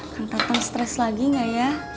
nanti tersetres lagi nggak ya